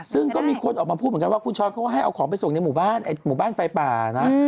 ซึ่งก็มีคนออกมาพูดเหมือนกันว่าคุณช้อนเขาก็ให้เอาของไปส่งในหมู่บ้านหมู่บ้านไฟป่านะ